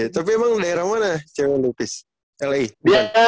tapi emang daerah mana cewe lu pis la